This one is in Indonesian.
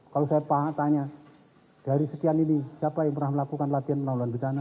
kalau saya tanya dari sekian ini siapa yang pernah melakukan latihan melawan bencana